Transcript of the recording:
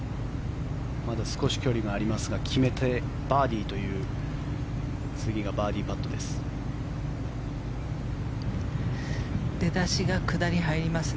まだ少し距離がありますが決めてバーディーという次がバーディーパットです。